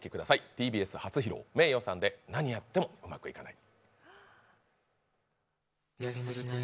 ＴＢＳ初披露、ｍｅｉｙｏさんで「なにやってもうまくいかない」